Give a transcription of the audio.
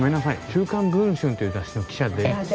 「週刊文春」という雑誌の記者で。